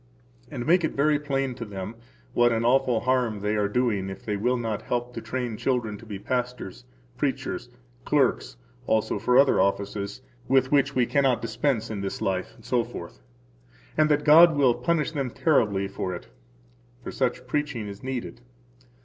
And make it very plain to them what an awful harm they are doing if they will not help to train children to be pastors, preachers, clerks [also for other offices, with which we cannot dispense in this life], etc., and that God will punish them terribly for it. For such preaching is needed.